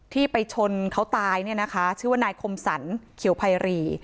ที่ไปชนเขาตายเนี่ยนะคะชื่อว่านายคมสรรเขียวไพรี